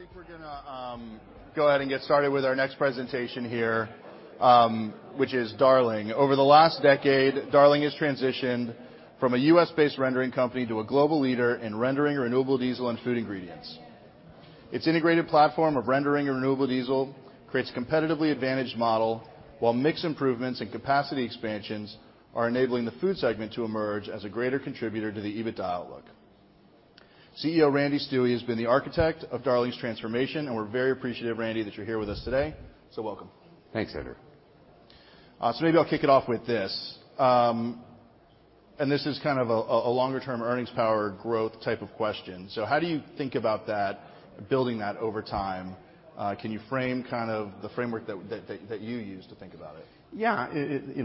Okay, I think we're going to go ahead and get started with our next presentation here, which is Darling. Over the last decade, Darling has transitioned from a U.S.-based rendering company to a global leader in rendering renewable diesel and food ingredients. Its integrated platform of rendering renewable diesel creates a competitively advantaged model, while mix improvements and capacity expansions are enabling the food segment to emerge as a greater contributor to the EBITDA outlook. CEO Randy Stuewe has been the architect of Darling's transformation, and we're very appreciative, Randy, that you're here with us today. So welcome. Thanks, Andrew. Maybe I'll kick it off with this. This is kind of a longer-term earnings power growth type of question. How do you think about that, building that over time? Can you frame kind of the framework that you use to think about it? Yeah.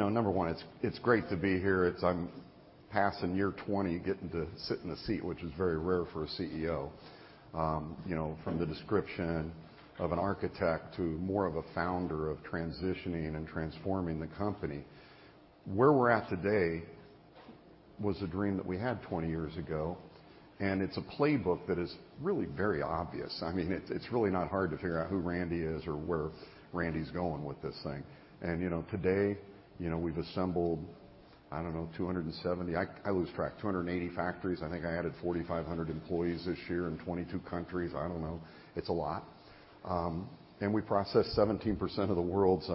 Number one, it's great to be here. I'm passing year 20, getting to sit in a seat, which is very rare for a CEO. From the description of an architect to more of a founder of transitioning and transforming the company, where we're at today was a dream that we had 20 years ago. And it's a playbook that is really very obvious. I mean, it's really not hard to figure out who Randy is or where Randy's going with this thing. And today, we've assembled. I don't know, 270. I lose track. 280 factories. I think I added 4,500 employees this year in 22 countries. I don't know. It's a lot. We process 17% of the world's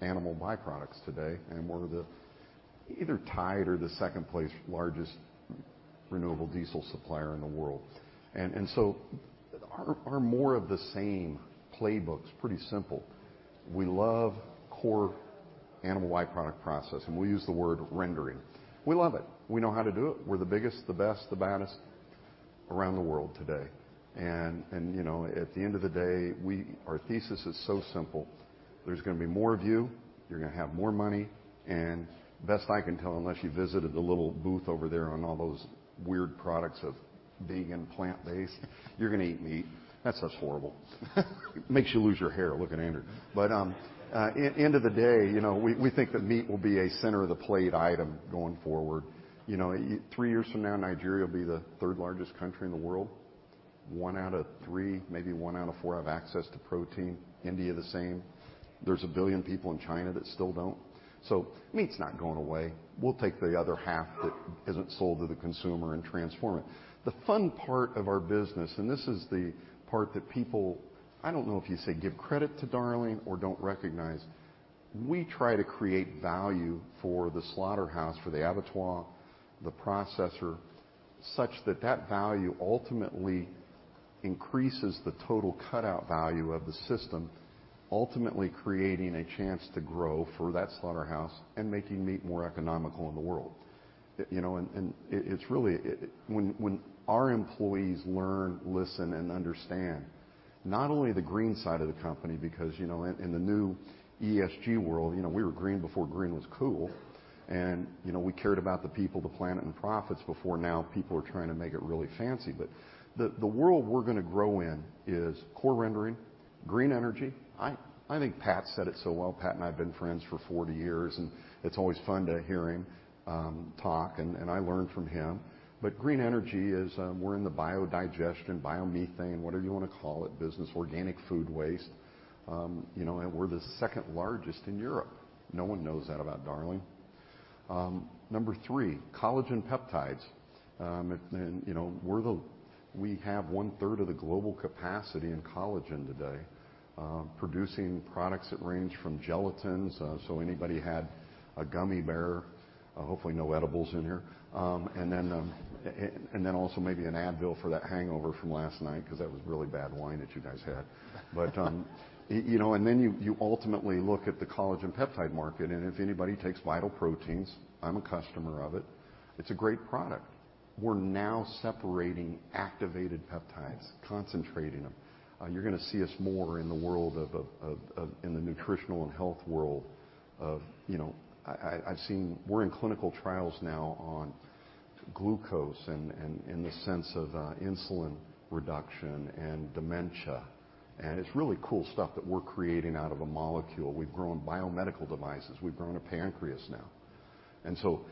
animal byproducts today. And we're either tied or the second largest renewable diesel supplier in the world. And so our more of the same playbook's pretty simple. We love core animal byproduct processing. We use the word rendering. We love it. We know how to do it. We're the biggest, the best, the baddest around the world today. And at the end of the day, our thesis is so simple. There's going to be more of you. You're going to have more money. And best I can tell, unless you visited the little booth over there on all those weird products of vegan plant-based, you're going to eat meat. That's just horrible. Makes you lose your hair looking at Andy. But at the end of the day, we think that meat will be a center-of-the-plate item going forward. Three years from now, Nigeria will be the third-largest country in the world. One out of three, maybe one out of four, have access to protein. India, the same. There's a billion people in China that still don't. Meat's not going away. We'll take the other half that isn't sold to the consumer and transform it. The fun part of our business - and this is the part that people, I don't know if you say give credit to Darling or don't recognize - we try to create value for the slaughterhouse, for the abattoir, the processor, such that that value ultimately increases the total cut-out value of the system, ultimately creating a chance to grow for that slaughterhouse and making meat more economical in the world. It's really when our employees learn, listen, and understand not only the green side of the company because in the new ESG world, we were green before green was cool. We cared about the people, the planet, and profits before now people were trying to make it really fancy. The world we're going to grow in is core rendering, green energy. I think Pat said it so well. Pat and I have been friends for 40 years, and it's always fun to hear him talk, and I learned from him, but green energy is we're in the biodigestion, biomethane, whatever you want to call it, business, organic food waste, and we're the second largest in Europe. No one knows that about Darling. Number three, collagen peptides. We have one-third of the global capacity in collagen today, producing products that range from gelatins, so anybody had a gummy bear, hopefully no edibles in here, and then also maybe an Advil for that hangover from last night because that was really bad wine that you guys had, but and then you ultimately look at the collagen peptide market, and if anybody takes Vital Proteins, I'm a customer of it. It's a great product. We're now separating activated peptides, concentrating them. You're going to see us more in the world of the nutritional and health world. I've seen we're in clinical trials now on glucose and in the sense of insulin reduction and dementia. And it's really cool stuff that we're creating out of a molecule. We've grown biomedical devices. We've grown a pancreas now. And so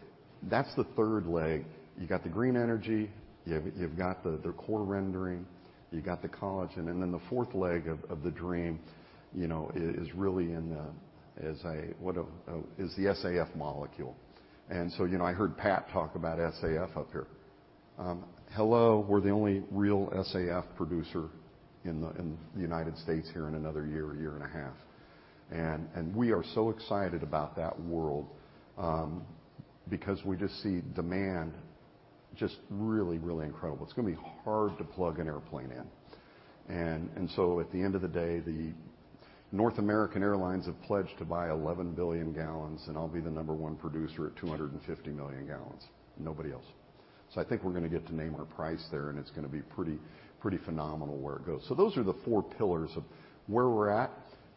that's the third leg. You've got the green energy. You've got the core rendering. You've got the collagen. And then the fourth leg of the dream is really in the, as I what is the SAF molecule. And so I heard Pat talk about SAF up here. Hello, we're the only real SAF producer in the United States here in another year or year and a half. And we are so excited about that world because we just see demand just really, really incredible. It's going to be hard to plug an airplane in, and so at the end of the day, the North American airlines have pledged to buy 11 billion gallons, and I'll be the number one producer at 250 million gallons. Nobody else, so I think we're going to get to name our price there, and it's going to be pretty phenomenal where it goes, so those are the four pillars of where we're at.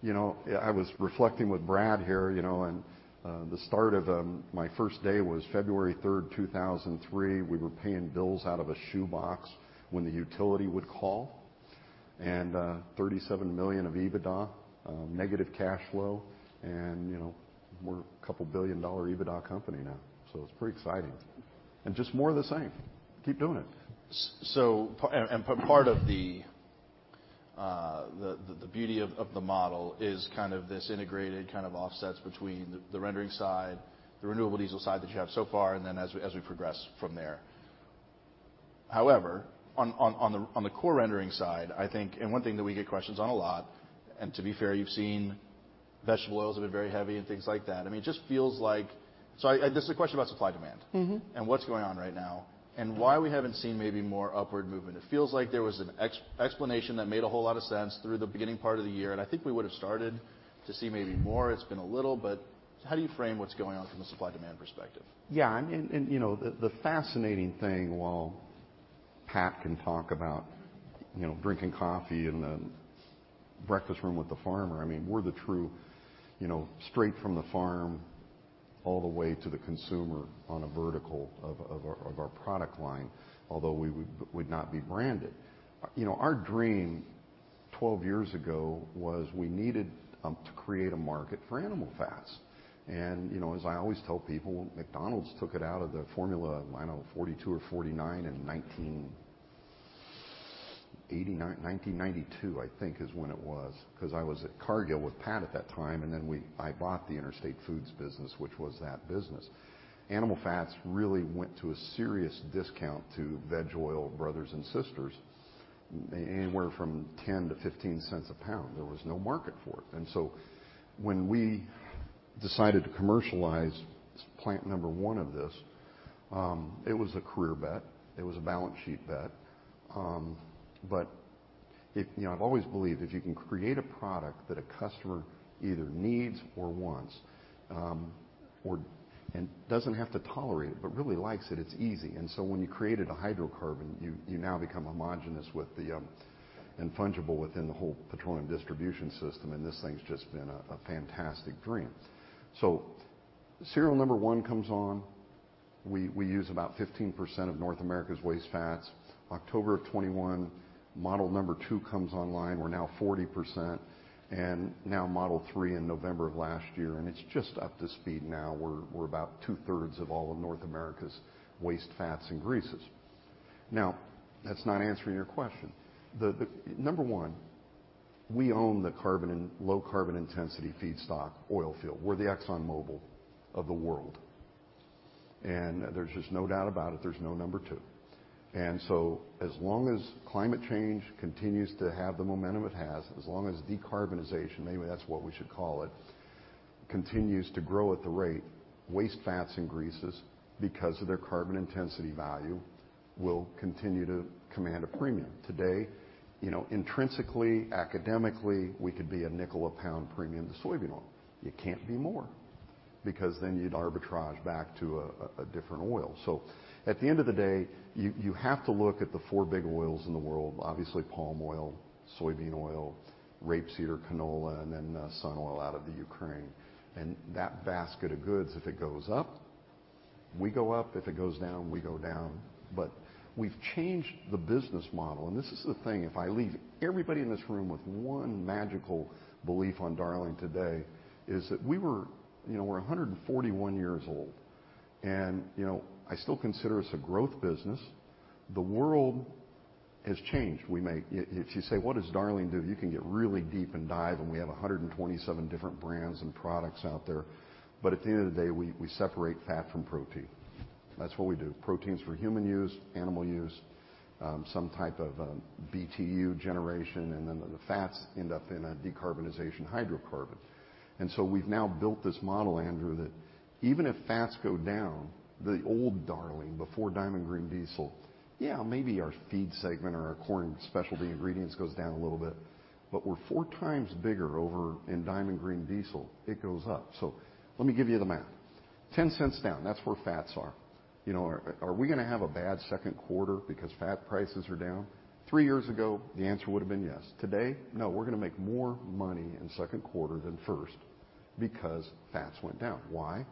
I was reflecting with Brad here, and the start of my first day was February 3rd, 2003. We were paying bills out of a shoebox when the utility would call, and $37 million of EBITDA, negative cash flow, and we're a couple billion dollar EBITDA company now, so it's pretty exciting, and just more of the same. Keep doing it. Part of the beauty of the model is kind of this integrated kind of offsets between the rendering side, the renewable diesel side that you have so far, and then as we progress from there. However, on the core rendering side, I think, and one thing that we get questions on a lot, and to be fair, you've seen vegetable oils have been very heavy and things like that. I mean, it just feels like, so this is a question about supply-demand and what's going on right now and why we haven't seen maybe more upward movement. It feels like there was an explanation that made a whole lot of sense through the beginning part of the year. I think we would have started to see maybe more. It's been a little. How do you frame what's going on from a supply-demand perspective? Yeah. The fascinating thing, while Pat can talk about drinking coffee in the breakfast room with the farmer, I mean, we're the true straight from the farm all the way to the consumer on a vertical of our product line, although we would not be branded. Our dream 12 years ago was we needed to create a market for animal fats. As I always tell people, McDonald's took it out of the formula. I don't know, 1942 or 1949 in 1992, I think, is when it was because I was at Cargill with Pat at that time. Then I bought the Interstate Foods business, which was that business. Animal fats really went to a serious discount to veg oil brothers and sisters, anywhere from $0.10-$0.15 a pound. There was no market for it. When we decided to commercialize plant number one of this, it was a career bet. It was a balance sheet bet. I've always believed if you can create a product that a customer either needs or wants and doesn't have to tolerate it but really likes it, it's easy. When you created a hydrocarbon, you now become homogeneous and fungible within the whole petroleum distribution system. This thing's just been a fantastic dream. Serial number one comes on. We use about 15% of North America's waste fats. October of 2021, model number two comes online. We're now 40%. Now model three in November of last year. It's just up to speed now. We're about two-thirds of all of North America's waste fats and greases. Now, that's not answering your question. Number one, we own the low-carbon intensity feedstock oil field. We're the ExxonMobil of the world. And there's just no doubt about it. There's no number two. And so as long as climate change continues to have the momentum it has, as long as decarbonization, maybe that's what we should call it, continues to grow at the rate, waste fats and greases because of their carbon intensity value will continue to command a premium. Today, intrinsically, academically, we could be a nickel a pound premium to soybean oil. You can't be more because then you'd arbitrage back to a different oil. So at the end of the day, you have to look at the four big oils in the world, obviously palm oil, soybean oil, rapeseed, or canola, and then sun oil out of the Ukraine. And that basket of goods, if it goes up, we go up. If it goes down, we go down. But we've changed the business model. This is the thing. If I leave everybody in this room with one magical belief on Darling today, is that we were 141 years old. I still consider us a growth business. The world has changed. You say, "What does Darling do?" You can get really deep and dive. And we have 127 different brands and products out there. But at the end of the day, we separate fat from protein. That's what we do. Proteins for human use, animal use, some type of BTU generation. And then the fats end up in a decarbonization hydrocarbon. And so we've now built this model, Andrew, that even if fats go down, the old Darling before Diamond Green Diesel, yeah, maybe our feed segment or our corn specialty ingredients goes down a little bit. But we're four times bigger over in Diamond Green Diesel. It goes up. So let me give you the math. $0.10 down. That's where fats are. Are we going to have a bad second quarter because fat prices are down? Three years ago, the answer would have been yes. Today, no. We're going to make more money in second quarter than first because fats went down. Why?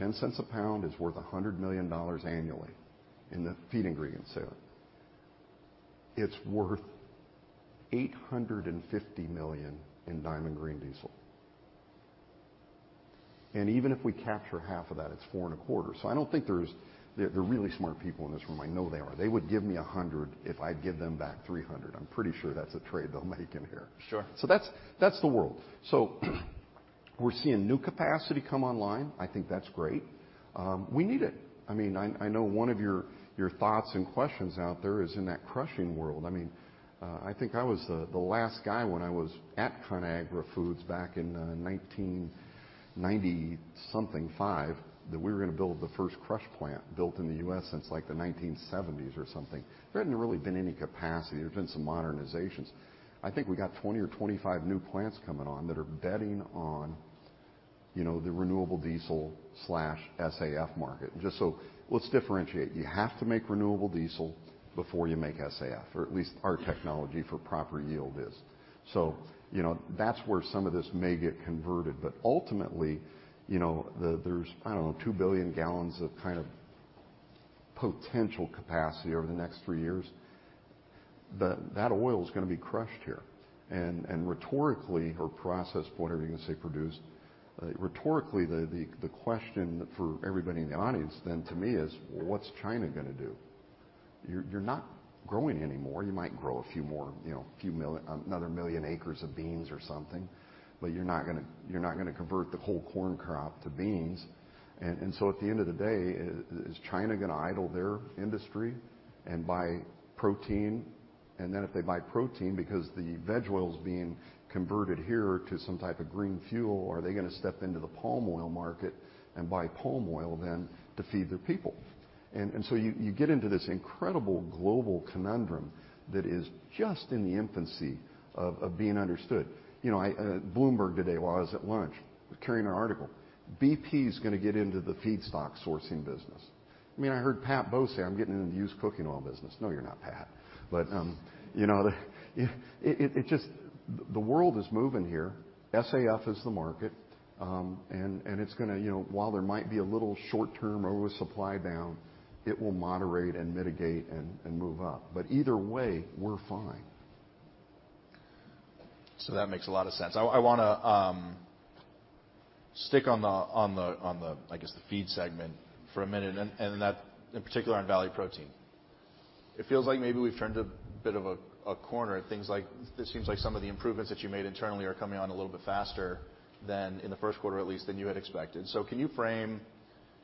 $0.10 a pound is worth $100 million annually in the feed ingredients sale. It's worth $850 million in Diamond Green Diesel. And even if we capture half of that, it's $425 million. So I don't think there's—they're really smart people in this room. I know they are. They would give me 100 if I'd give them back 300. I'm pretty sure that's a trade they'll make in here. So that's the world. So we're seeing new capacity come online. I think that's great. We need it. I mean, I know one of your thoughts and questions out there is in that crushing world. I mean, I think I was the last guy when I was at Conagra Foods back in 1990 something five that we were going to build the first crush plant built in the U.S. since like the 1970s or something. There hadn't really been any capacity. There's been some modernizations. I think we got 20 or 25 new plants coming on that are betting on the renewable diesel/SAF market. And just so let's differentiate. You have to make renewable diesel before you make SAF, or at least our technology for proper yield is. So that's where some of this may get converted. But ultimately, there's, I don't know, 2 billion gallons of kind of potential capacity over the next three years. But that oil is going to be crushed here. Rhetorically or processed, whatever you're going to say, produced, rhetorically, the question for everybody in the audience then to me is, "Well, what's China going to do?" You're not growing anymore. You might grow a few more, another million acres of beans or something. But you're not going to convert the whole corn crop to beans. And so at the end of the day, is China going to idle their industry and buy protein? And then if they buy protein because the veg oil's being converted here to some type of green fuel, are they going to step into the palm oil market and buy palm oil then to feed their people? And so you get into this incredible global conundrum that is just in the infancy of being understood. Bloomberg today, while I was at lunch, was carrying our article. BP is going to get into the feedstock sourcing business. I mean, I heard Pat Bowe say, "I'm getting into the used cooking oil business." No, you're not Pat. But it just the world is moving here. SAF is the market. And it's going to, while there might be a little short-term oil supply down, it will moderate and mitigate and move up. But either way, we're fine. So that makes a lot of sense. I want to stick on the, I guess, feed segment for a minute, and in particular on premium proteins. It feels like maybe we've turned a bit of a corner. It seems like some of the improvements that you made internally are coming on a little bit faster than in the first quarter, at least, than you had expected. So can you frame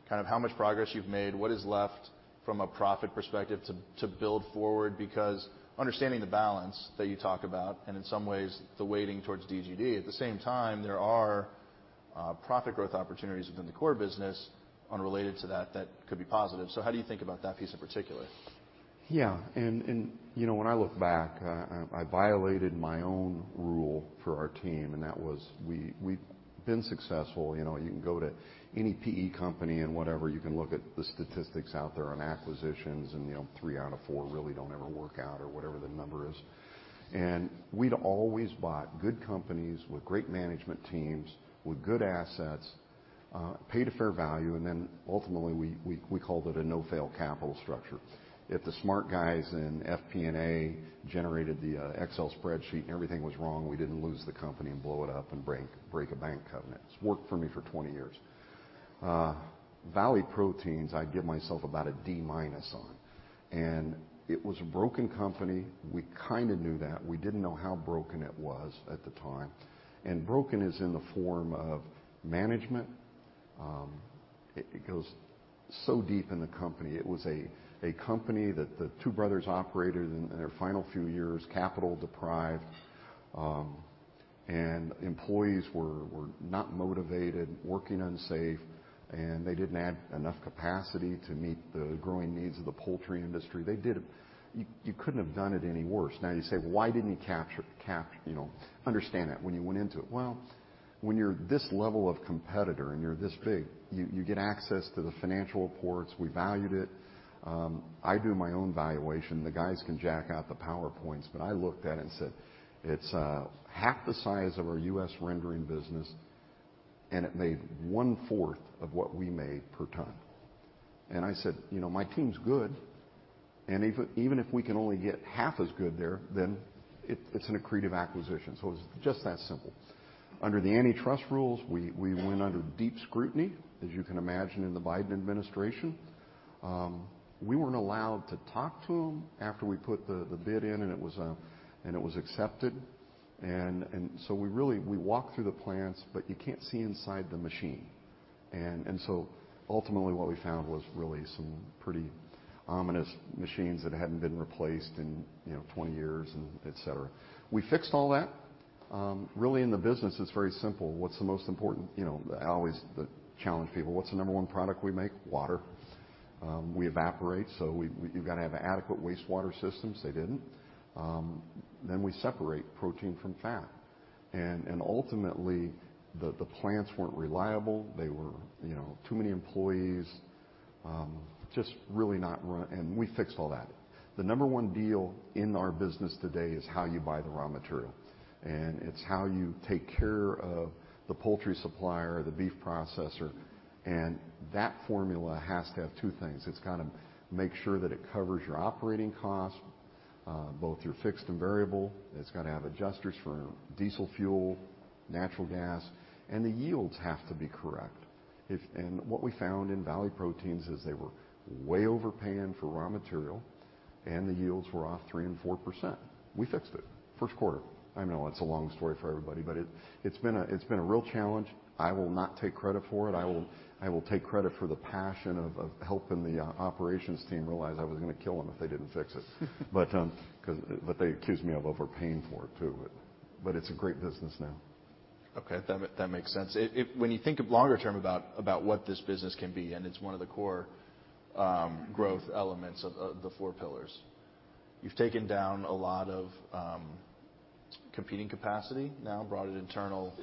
kind of how much progress you've made, what is left from a profit perspective to build forward? Because understanding the balance that you talk about and in some ways the weighting towards DGD, at the same time, there are profit growth opportunities within the Core Business unrelated to that that could be positive. So how do you think about that piece in particular? Yeah. And when I look back, I violated my own rule for our team. And that was, we've been successful. You can go to any PE company and whatever. You can look at the statistics out there on acquisitions. And three out of four really don't ever work out or whatever the number is. And we'd always bought good companies with great management teams, with good assets, paid a fair value. And then ultimately, we called it a no-fail capital structure. If the smart guys in FP&A generated the Excel spreadsheet and everything was wrong, we didn't lose the company and blow it up and break a bank covenant. It's worked for me for 20 years. Vital Proteins, I'd give myself about a D minus on. And it was a broken company. We kind of knew that. We didn't know how broken it was at the time. Brokenness is in the form of management. It goes so deep in the company. It was a company that the two brothers operated in their final few years, capital deprived. Employees were not motivated, working unsafe. They didn't add enough capacity to meet the growing needs of the poultry industry. You couldn't have done it any worse. Now you say, "Well, why didn't you understand that when you went into it?" When you're this level of competitor and you're this big, you get access to the financial reports. We valued it. I do my own valuation. The guys can churn out the PowerPoints. But I looked at it and said, "It's half the size of our U.S. rendering business. And it made one-fourth of what we made per ton." I said, "My team's good. And even if we can only get half as good there, then it's an accretive acquisition." It was just that simple. Under the antitrust rules, we went under deep scrutiny, as you can imagine in the Biden administration. We weren't allowed to talk to them after we put the bid in. And it was accepted. And so we walked through the plants. But you can't see inside the machine. And so ultimately, what we found was really some pretty ominous machines that hadn't been replaced in 20 years, etc. We fixed all that. Really, in the business, it's very simple. What's the most important? I always challenge people. What's the number one product we make? Water. We evaporate. So you've got to have adequate wastewater systems. They didn't. Then we separate protein from fat. And ultimately, the plants weren't reliable. There were too many employees, just really not run. We fixed all that. The number one deal in our business today is how you buy the raw material. It's how you take care of the poultry supplier, the beef processor. That formula has to have two things. It's got to make sure that it covers your operating costs, both your fixed and variable. It's got to have adjusters for diesel fuel, natural gas. The yields have to be correct. What we found in Valley Proteins is they were way overpaying for raw material. The yields were off 3% and 4%. We fixed it first quarter. I know it's a long story for everybody. But it's been a real challenge. I will not take credit for it. I will take credit for the passion of helping the operations team realize I was going to kill them if they didn't fix it because they accused me of overpaying for it too. But it's a great business now. Okay. That makes sense. When you think longer term about what this business can be, and it's one of the core growth elements of the four pillars. You've taken down a lot of competing capacity now, brought it internal.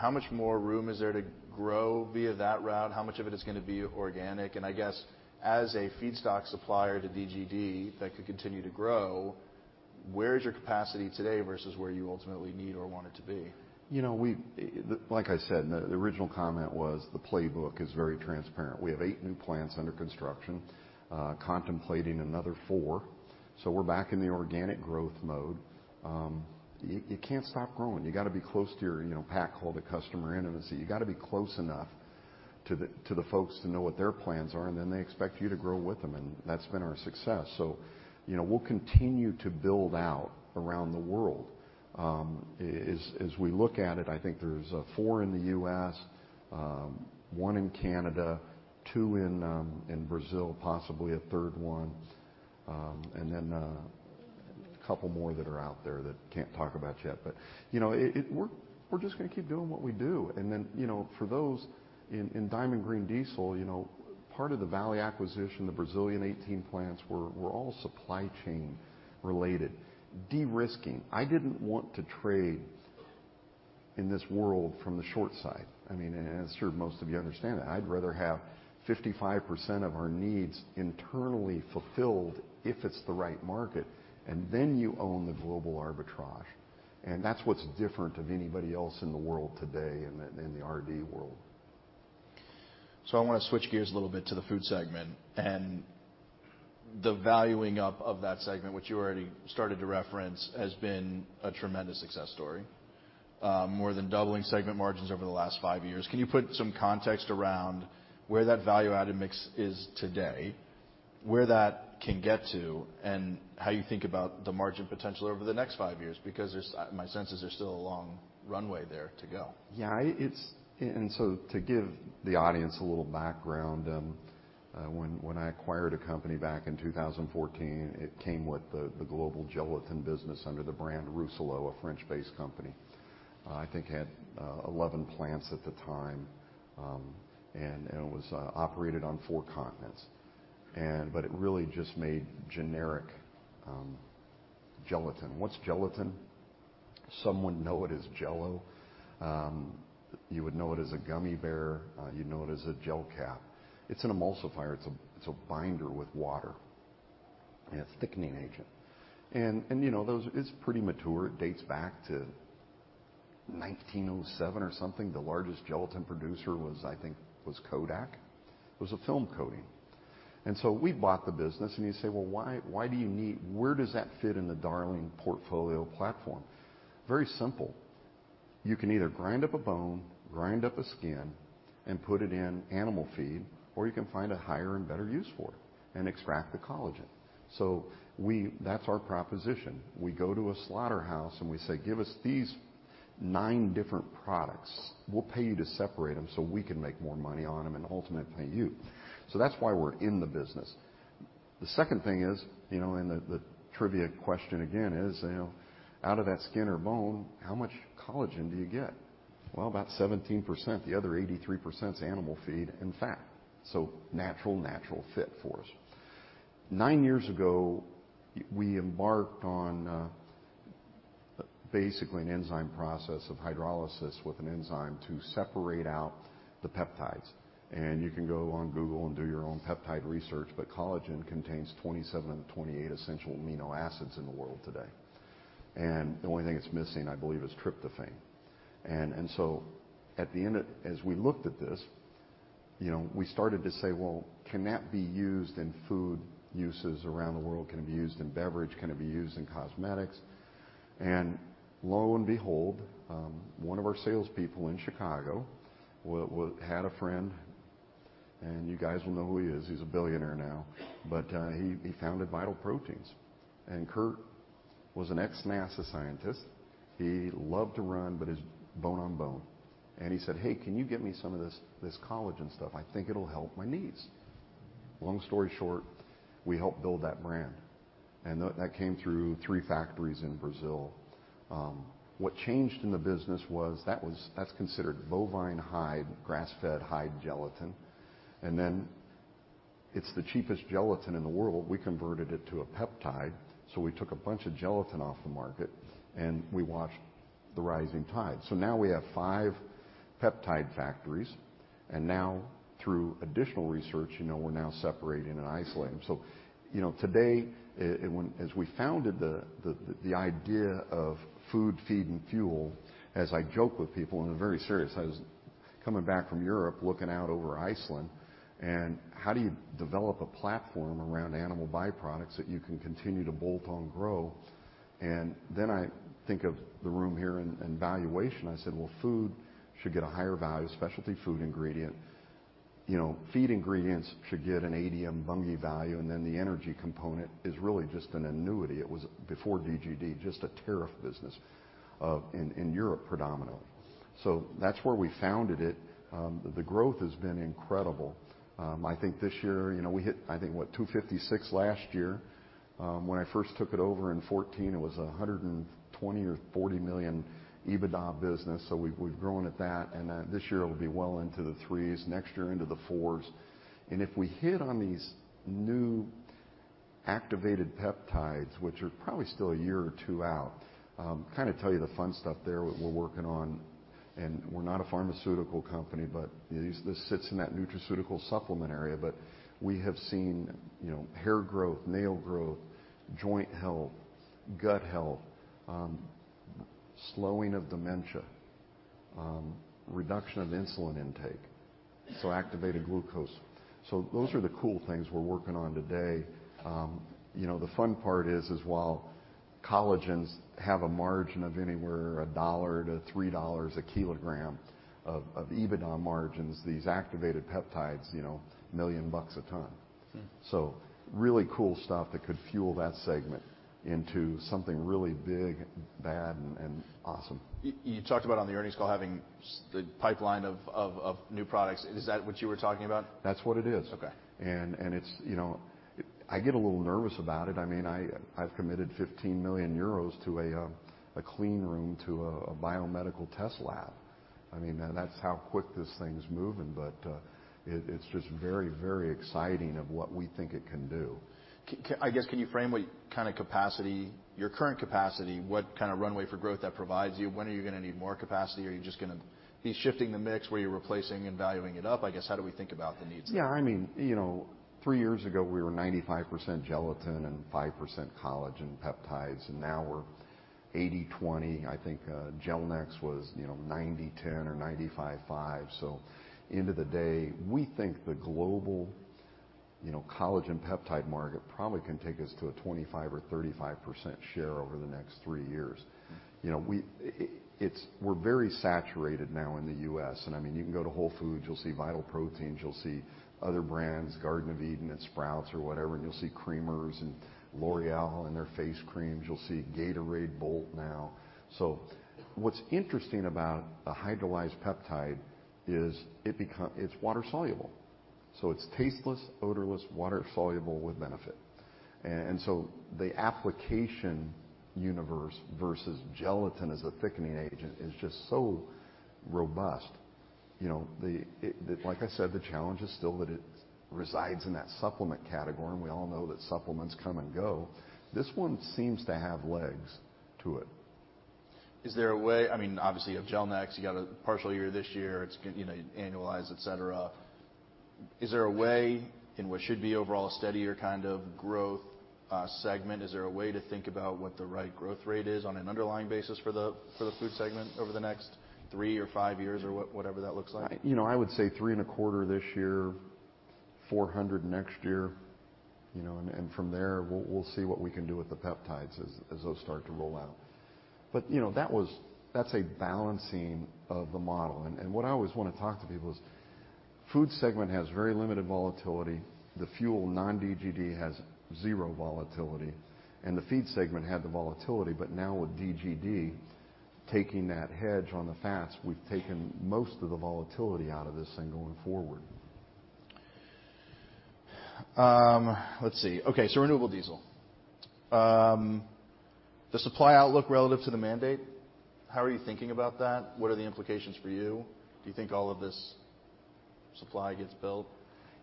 How much more room is there to grow via that route? How much of it is going to be organic? And I guess as a feedstock supplier to DGD that could continue to grow, where is your capacity today versus where you ultimately need or want it to be? Like I said, the original comment was the playbook is very transparent. We have eight new plants under construction, contemplating another four. So we're back in the organic growth mode. You can't stop growing. You got to be close to your packer called a customer intimacy. You got to be close enough to the folks to know what their plans are. And then they expect you to grow with them. And that's been our success. So we'll continue to build out around the world. As we look at it, I think there's four in the U.S., one in Canada, two in Brazil, possibly a third one, and then a couple more that we can't talk about yet. But we're just going to keep doing what we do. For those in Diamond Green Diesel, part of the Valley acquisition, the Brazilian 18 plants were all supply chain related, de-risking. I didn't want to trade in this world from the short side. I mean, and I'm sure most of you understand that. I'd rather have 55% of our needs internally fulfilled if it's the right market. You own the global arbitrage. That's what's different from anybody else in the world today in the renewable diesel world. So I want to switch gears a little bit to the Food Segment. And the valuing up of that segment, which you already started to reference, has been a tremendous success story, more than doubling segment margins over the last five years. Can you put some context around where that value added mix is today, where that can get to, and how you think about the margin potential over the next five years? Because my sense is there's still a long runway there to go. Yeah, and so to give the audience a little background, when I acquired a company back in 2014, it came with the global gelatin business under the brand Rousselot, a French-based company. I think it had 11 plants at the time, and it was operated on four continents. But it really just made generic gelatin. What's gelatin? Some would know it as Jell-O. You would know it as a gummy bear. You'd know it as a gel cap. It's an emulsifier. It's a binder with water. It's a thickening agent, and it's pretty mature. It dates back to 1907 or something. The largest gelatin producer, I think, was Kodak. It was a film coating, and so we bought the business. And you say, "Well, why do you need where does that fit in the Darling portfolio platform?" Very simple. You can either grind up a bone, grind up a skin, and put it in animal feed, or you can find a higher and better use for it and extract the collagen. So that's our proposition. We go to a slaughterhouse and we say, "Give us these nine different products. We'll pay you to separate them so we can make more money on them and ultimately pay you." So that's why we're in the business. The second thing is, and the trivia question again is, out of that skin or bone, how much collagen do you get? Well, about 17%. The other 83% is animal feed and fat. So natural, natural fit for us. Nine years ago, we embarked on basically an enzyme process of hydrolysis with an enzyme to separate out the peptides. And you can go on Google and do your own peptide research. But collagen contains 27 of the 28 essential amino acids in the world today. And the only thing it's missing, I believe, is tryptophan. And so at the end, as we looked at this, we started to say, "Well, can that be used in food uses around the world? Can it be used in beverage? Can it be used in cosmetics?" And lo and behold, one of our salespeople in Chicago had a friend. And you guys will know who he is. He's a billionaire now. But he founded Vital Proteins. And Kurt was an ex-NASA scientist. He loved to run, but his bone on bone. And he said, "Hey, can you give me some of this collagen stuff? I think it'll help my knees." Long story short, we helped build that brand. And that came through three factories in Brazil. What changed in the business was, that's considered bovine hide, grass-fed hide gelatin. And then it's the cheapest gelatin in the world. We converted it to a peptide. So we took a bunch of gelatin off the market. And we watched the rising tide. So now we have five peptide factories. And now, through additional research, we're now separating and isolating. So today, as we founded the idea of food, feed, and fuel, as I joke with people, and I'm very serious. I was coming back from Europe, looking out over Iceland. And how do you develop a platform around animal byproducts that you can continue to bolt on grow? And then I think of the room here and valuation. I said, "Well, food should get a higher value, specialty food ingredient. Feed ingredients should get an ADM 80 Bunge value." And then the energy component is really just an annuity. It was, before DGD, just a tariff business in Europe predominantly. So that's where we founded it. The growth has been incredible. I think this year we hit, I think, what, $256 million last year. When I first took it over in 2014, it was $120 million- $140 million EBITDA business. So we've grown at that. And this year, it'll be well into the threes, next year into the fours. And if we hit on these new activated peptides, which are probably still a year or two out, kind of tell you the fun stuff there we're working on. And we're not a pharmaceutical company, but this sits in that nutraceutical supplement area. But we have seen hair growth, nail growth, joint health, gut health, slowing of dementia, reduction of insulin intake, so activated glucose. So those are the cool things we're working on today. The fun part is, while collagens have a margin of anywhere $1-$3 a kilogram of EBITDA margins, these activated peptides, $1 million a ton. So really cool stuff that could fuel that segment into something really big, bad, and awesome. You talked about on the earnings call having the pipeline of new products. Is that what you were talking about? That's what it is. And I get a little nervous about it. I mean, I've committed 15 million euros to a clean room to a biomedical test lab. I mean, that's how quick this thing's moving. But it's just very, very exciting of what we think it can do. I guess, can you frame what kind of capacity, your current capacity, what kind of runway for growth that provides you? When are you going to need more capacity? Are you just going to be shifting the mix where you're replacing and valuing it up? I guess, how do we think about the needs? Yeah. I mean, three years ago, we were 95% gelatin and 5% collagen peptides. And now we're 80/20. I think Gelnex was 90/10 or 95/5. So end of the day, we think the global collagen peptide market probably can take us to a 25% or 35% share over the next three years. We're very saturated now in the U.S. And I mean, you can go to Whole Foods. You'll see Vital Proteins. You'll see other brands, Garden of Eden and Sprouts or whatever. And you'll see creamers and L'Oréal and their face creams. You'll see Gatorade Bolt now. So what's interesting about a hydrolyzed peptide is it's water soluble. So it's tasteless, odorless, water soluble with benefit. And so the application universe versus gelatin as a thickening agent is just so robust. Like I said, the challenge is still that it resides in that supplement category. We all know that supplements come and go. This one seems to have legs to it. Is there a way? I mean, obviously, you have Gelnex. You got a partial year this year. It's annualized, etc. Is there a way in what should be overall a steadier kind of growth segment? Is there a way to think about what the right growth rate is on an underlying basis for the food segment over the next three or five years or whatever that looks like? I would say 3.25 this year, 400 next year. And from there, we'll see what we can do with the peptides as those start to roll out. But that's a balancing of the model. And what I always want to talk to people is food segment has very limited volatility. The fuel non-DGD has zero volatility. And the feed segment had the volatility. But now with DGD taking that hedge on the fats, we've taken most of the volatility out of this thing going forward. Let's see. Okay. So renewable diesel. The supply outlook relative to the mandate, how are you thinking about that? What are the implications for you? Do you think all of this supply gets built?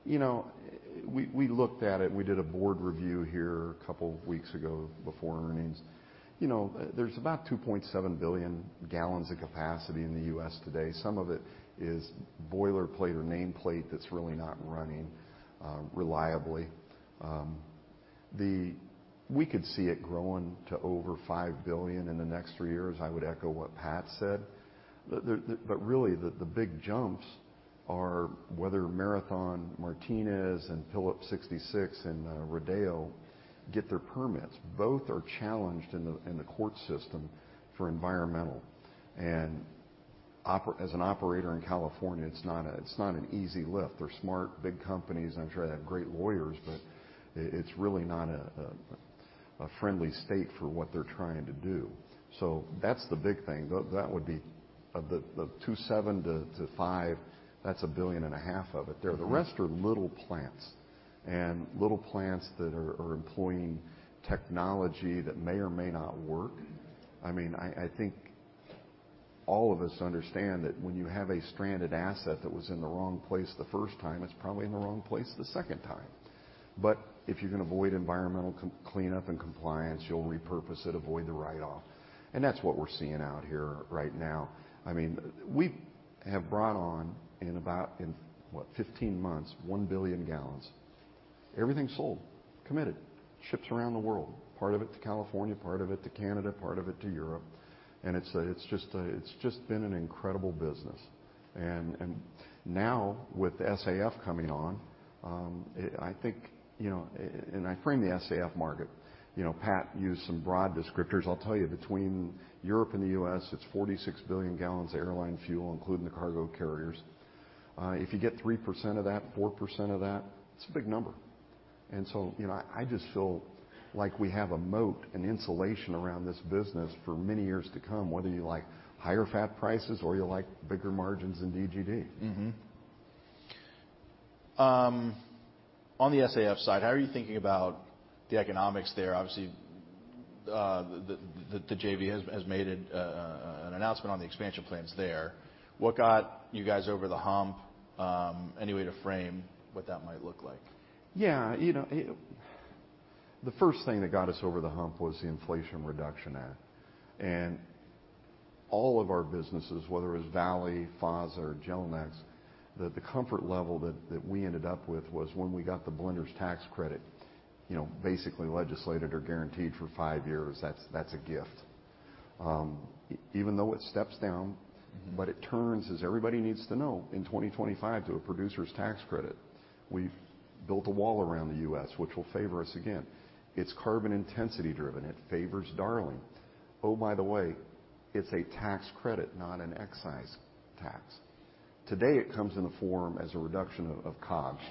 We looked at it. We did a Board review here a couple of weeks ago before earnings. There's about 2.7 billion gallons of capacity in the U.S. today. Some of it is boilerplate or nameplate that's really not running reliably. We could see it growing to over 5 billion in the next three years. I would echo what Pat said, but really, the big jumps are whether Marathon Martinez and Phillips 66 and Rodeo get their permits. Both are challenged in the court system for environmental, and as an operator in California, it's not an easy lift. They're smart, big companies. I'm sure they have great lawyers, but it's really not a friendly state for what they're trying to do, so that's the big thing. That would be the 2.7-5, that's a billion and a half of it there. The rest are little plants. Little plants that are employing technology that may or may not work. I mean, I think all of us understand that when you have a stranded asset that was in the wrong place the first time, it's probably in the wrong place the second time. But if you're going to avoid environmental cleanup and compliance, you'll repurpose it, avoid the write-off. And that's what we're seeing out here right now. I mean, we have brought on in about, what, 15 months, 1 billion gallons. Everything sold, committed, ships around the world, part of it to California, part of it to Canada, part of it to Europe. And it's just been an incredible business. And now with the SAF coming on, I think, and I frame the SAF market. Pat used some broad descriptors. I'll tell you, between Europe and the U.S., it's 46 billion gallons of airline fuel, including the cargo carriers. If you get 3% of that, 4% of that, it's a big number. And so I just feel like we have a moat, an insulation around this business for many years to come, whether you like higher fat prices or you like bigger margins in DGD. On the SAF side, how are you thinking about the economics there? Obviously, the JV has made an announcement on the expansion plans there. What got you guys over the hump? Any way to frame what that might look like? Yeah. The first thing that got us over the hump was the Inflation Reduction Act, and all of our businesses, whether it was Valley, FASA, Gelnex, the comfort level that we ended up with was when we got the Blenders Tax Credit, basically legislated or guaranteed for five years, that's a gift. Even though it steps down, but it turns, as everybody needs to know, in 2025 to a producer's tax credit. We've built a wall around the U.S., which will favor us again. It's carbon intensity driven. It favors Darling. Oh, by the way, it's a tax credit, not an excise tax. Today, it comes in the form as a reduction of COGS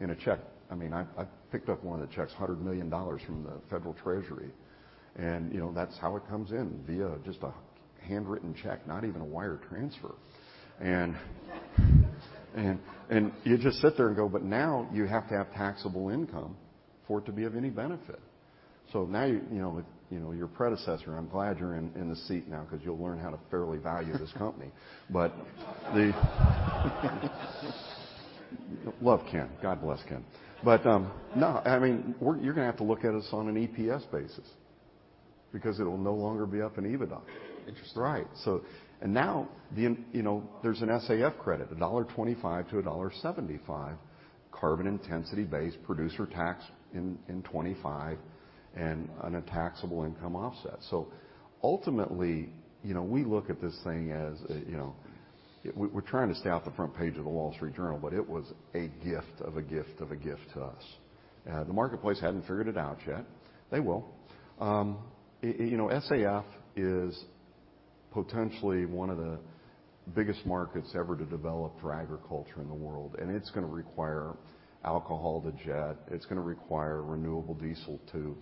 in a check. I mean, I picked up one of the checks, $100 million from the Federal Treasury. And that's how it comes in, via just a handwritten check, not even a wire transfer. You just sit there and go, "But now you have to have taxable income for it to be of any benefit." So now you're a successor. I'm glad you're in the seat now because you'll learn how to fairly value this company. But love Ken. God bless Ken. But no, I mean, you're going to have to look at us on an EPS basis because it will no longer be up in EBITDA. Interesting. Right. And now there's an SAF credit, $1.25-$1.75, carbon intensity base, producer tax in 2025, and a taxable income offset. Ultimately, we look at this thing as we're trying to stay off the front page of the Wall Street Journal, but it was a gift of a gift of a gift to us. The marketplace hadn't figured it out yet. They will. SAF is potentially one of the biggest markets ever to develop for agriculture in the world. It's going to require alcohol to jet. It's going to require renewable diesel to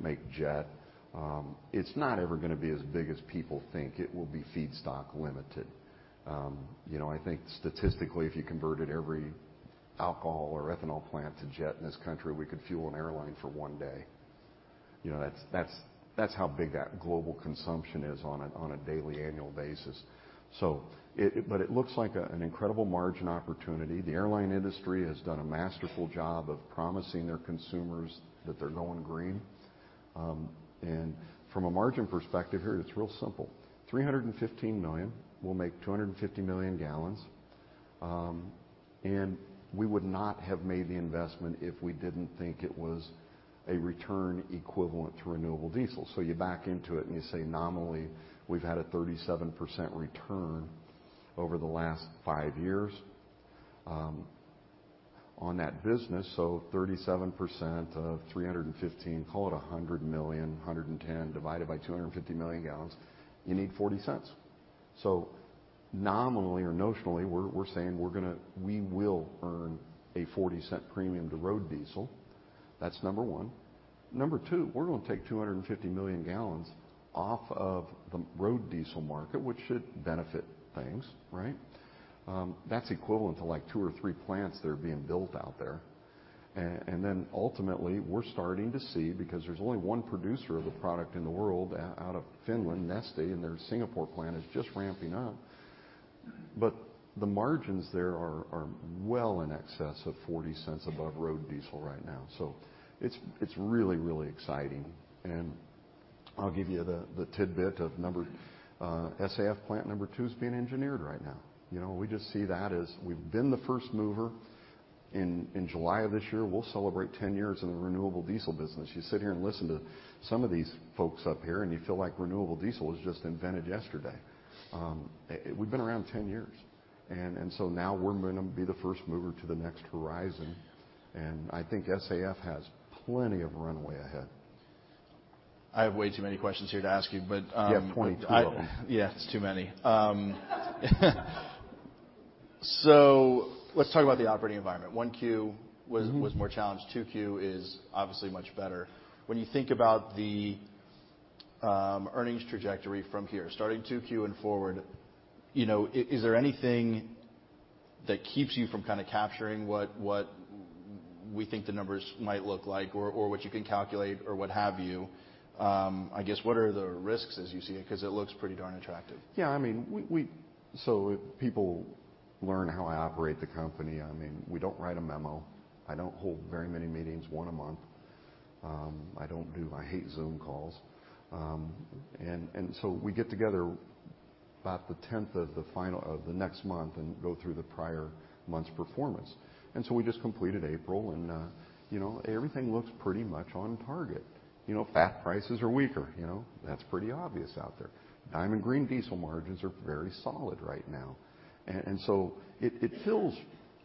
make jet. It's not ever going to be as big as people think. It will be feedstock limited. I think statistically, if you converted every alcohol or ethanol plant to jet in this country, we could fuel an airline for one day. That's how big that global consumption is on a daily annual basis. But it looks like an incredible margin opportunity. The airline industry has done a masterful job of promising their consumers that they're going green. And from a margin perspective here, it's real simple. $315 million. We'll make 250 million gallons. And we would not have made the investment if we didn't think it was a return equivalent to renewable diesel. So you back into it and you say, "Nominally, we've had a 37% return over the last five years on that business." So 37% of $315 million, call it $100 million, $110 million divided by 250 million gallons, you need $0.40. So nominally or notionally, we're saying we will earn a $0.40 premium to road diesel. That's number one. Number two, we're going to take 250 million gallons off of the road diesel market, which should benefit things, right? That's equivalent to like two or three plants that are being built out there, and then ultimately, we're starting to see, because there's only one producer of the product in the world out of Finland, Neste, and their Singapore plant is just ramping up, but the margins there are well in excess of $0.40 above road diesel right now, so it's really, really exciting, and I'll give you the tidbit of number SAF plant number two is being engineered right now. We just see that as we've been the first mover. In July of this year, we'll celebrate 10 years in the renewable diesel business. You sit here and listen to some of these folks up here, and you feel like renewable diesel was just invented yesterday. We've been around 10 years, and so now we're going to be the first mover to the next horizon. I think SAF has plenty of runway ahead. I have way too many questions here to ask you, but. Yeah, 20 total. Yeah, it's too many. So let's talk about the operating environment. 1Q was more challenged. 2Q is obviously much better. When you think about the earnings trajectory from here, starting 2Q and forward, is there anything that keeps you from kind of capturing what we think the numbers might look like or what you can calculate or what have you? I guess, what are the risks as you see it? Because it looks pretty darn attractive. Yeah. I mean, so people learn how I operate the company. I mean, we don't write a memo. I don't hold very many meetings, one a month. I hate Zoom calls. And so we get together about the 10th of the next month and go through the prior month's performance. And so we just completed April. And everything looks pretty much on target. Fat prices are weaker. That's pretty obvious out there. Diamond Green Diesel margins are very solid right now. And so it feels,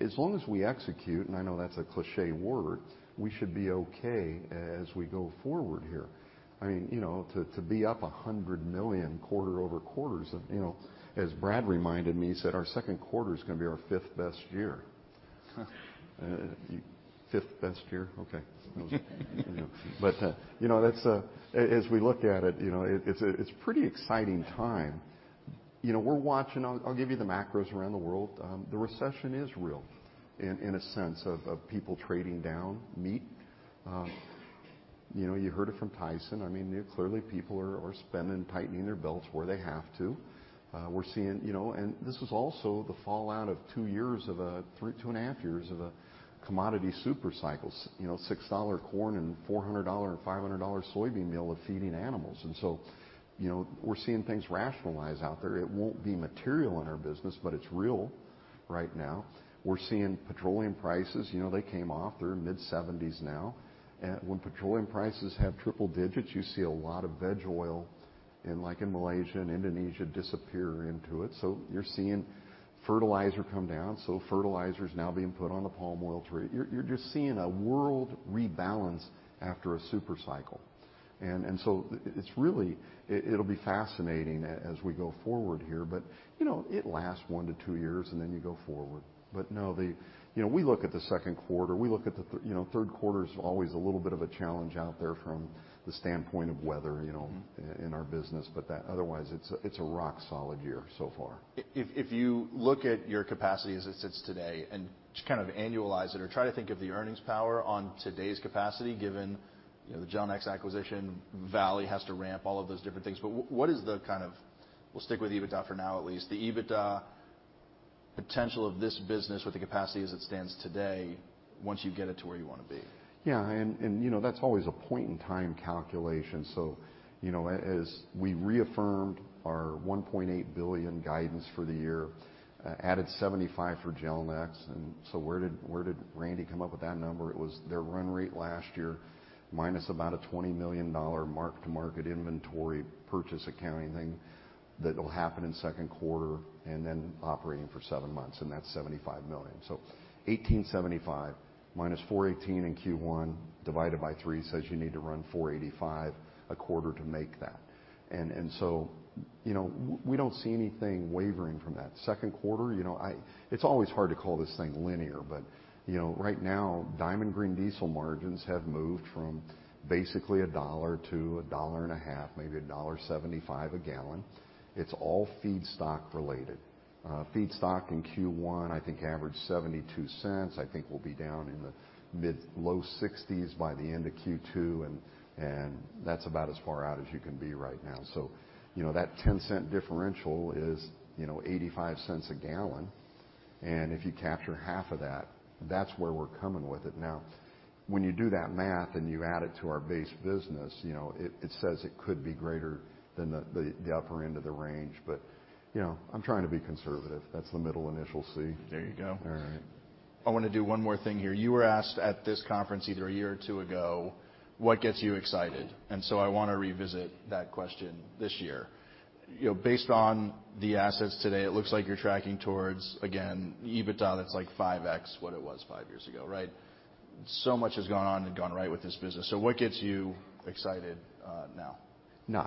as long as we execute, and I know that's a cliché word, we should be okay as we go forward here. I mean, to be up $100 million quarter over quarters, as Brad reminded me, he said, "Our second quarter is going to be our fifth best year." Fifth best year? Okay. But as we look at it, it's a pretty exciting time. I'll give you the macros around the world. The recession is real in a sense of people trading down meat. You heard it from Tyson. I mean, clearly, people are spending, tightening their belts where they have to. We're seeing, and this is also the fallout of two years of a, two and a half years of a commodity supercycle, $6 corn and $400 and $500 soybean meal of feeding animals. And so we're seeing things rationalize out there. It won't be material in our business, but it's real right now. We're seeing petroleum prices. They came off. They're in mid-70s now. When petroleum prices have triple-digits, you see a lot of veg oil in Malaysia and Indonesia disappear into it. So you're seeing fertilizer come down. So fertilizer is now being put on the palm oil trade. You're just seeing a world rebalance after a supercycle. And so it'll be fascinating as we go forward here. But it lasts one to two years, and then you go forward. But no, we look at the second quarter. We look at the third quarter is always a little bit of a challenge out there from the standpoint of weather in our business. But otherwise, it's a rock-solid year so far. If you look at your capacity as it sits today and kind of annualize it or try to think of the earnings power on today's capacity, given the Gelnex's acquisition, Valley has to ramp all of those different things. But what is the kind of, we'll stick with EBITDA for now at least, the EBITDA potential of this business with the capacity as it stands today once you get it to where you want to be? Yeah. And that's always a point-in-time calculation. So as we reaffirmed our $1.8 billion guidance for the year, added $75 million for Gelnex. And so where did Randy come up with that number? It was their run rate last year minus about a $20 million mark-to-market inventory purchase accounting thing that will happen in second quarter and then operating for seven months. And that's $75 million. So $1.875 billion minus $418 million in Q1 divided by three says you need to run $485 million a quarter to make that. And so we don't see anything wavering from that. Second quarter, it's always hard to call this thing linear. But right now, Diamond Green Diesel margins have moved from basically $1-$1.50 a gallon, maybe $1.75 a gallon. It's all feedstock related. Feedstock in Q1, I think, averaged $0.72. I think we'll be down in the mid-low 60s by the end of Q2. And that's about as far out as you can be right now. So that $0.10 differential is $0.85 a gallon. And if you capture half of that, that's where we're coming with it. Now, when you do that math and you add it to our base business, it says it could be greater than the upper end of the range. But I'm trying to be conservative. That's the middle initial C. There you go. All right. I want to do one more thing here. You were asked at this conference either a year or two ago, "What gets you excited?" And so I want to revisit that question this year. Based on the assets today, it looks like you're tracking towards, again, EBITDA that's like 5x what it was five years ago, right? So much has gone on and gone right with this business. So what gets you excited now? No,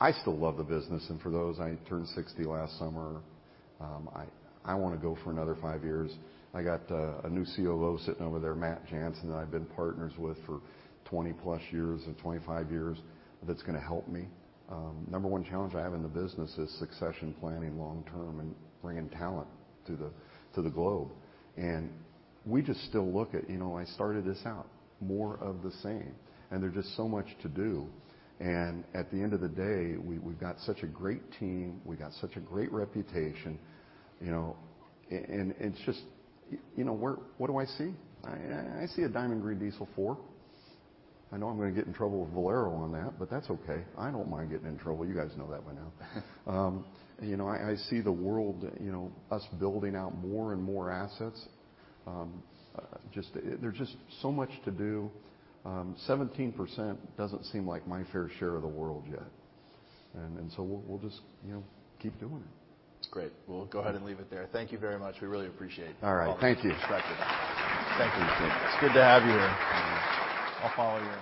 I still love the business. And for those, I turned 60 last summer. I want to go for another five years. I got a new COO sitting over there, Matt Jansen, that I've been partners with for 20-plus years and 25 years that's going to help me. Number one challenge I have in the business is succession planning long-term and bringing talent to the globe. And we just still look at, "I started this out more of the same." And there's just so much to do. And at the end of the day, we've got such a great team. We've got such a great reputation. And it's just, what do I see? I see a Diamond Green Diesel four. I know I'm going to get in trouble with Valero on that, but that's okay. I don't mind getting in trouble. You guys know that by now. I see the world, us building out more and more assets. There's just so much to do. 17% doesn't seem like my fair share of the world yet, and so we'll just keep doing it. That's great. We'll go ahead and leave it there. Thank you very much. We really appreciate it. All right. Thank you. Thank you. It's good to have you here. I'll follow you.